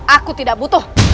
aku tidak butuh